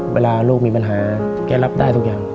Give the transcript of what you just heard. เวลาลูกมีปัญหาแกรับได้ทุกอย่าง